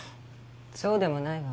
そうでもないわ。